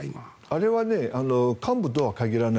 あれは幹部とは限らない。